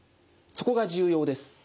そこが重要です。